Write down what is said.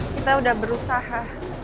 kita udah berusaha